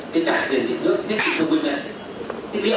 cái trạng điện điện nước thiết bị thông minh này